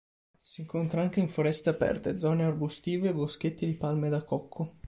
Si incontra anche in foreste aperte, zone arbustive e boschetti di palme da cocco.